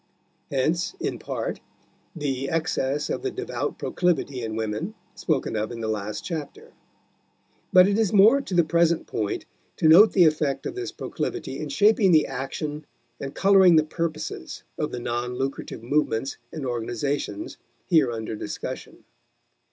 Hence, in part, the excess of the devout proclivity in women, spoken of in the last chapter. But it is more to the present point to note the effect of this proclivity in shaping the action and coloring the purposes of the non lucrative movements and organizations here under discussion.